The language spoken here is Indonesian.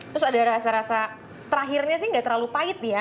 terus ada rasa rasa terakhirnya sih nggak terlalu pahit ya